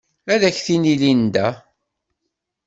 Ad ak-t-tini Linda.